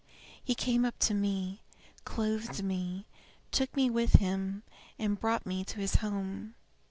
He came up to me, clothed me, took me with him, and brought me to his home.